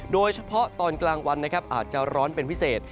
โดยเฉพาะตอนกลางวันนะครับอาจจะร้อนเป็นพิเศษ